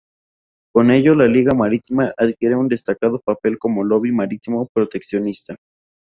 Con ello, la Liga Marítima adquiere un destacado papel como lobby marítimo proteccionista.